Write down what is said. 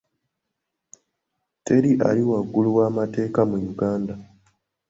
Teri ali waggulu w'amateeka mu Uganda.